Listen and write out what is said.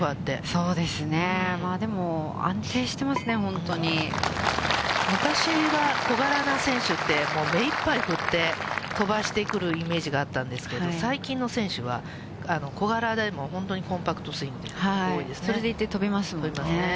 そうですね、でも、安定してますね、私は小柄な選手って、目いっぱい振って飛ばしてくるイメージがあったんですけど、最近の選手は、小柄でも、本当にコンパクトスイングが多いですね。